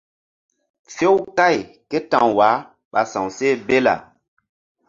Few kày ké ta̧w wah ɓa sa̧wseh bela.